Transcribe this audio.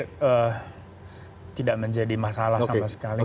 jadi tidak menjadi masalah sama sekali